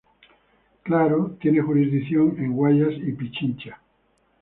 Claro, tiene jurisdicción en Guayas y Pichincha.